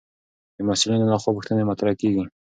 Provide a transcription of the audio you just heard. د محصلینو لخوا پوښتنې مطرح کېږي.